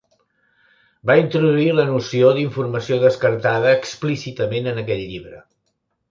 Va introduir la noció d'informació descartada explícitament en aquest llibre.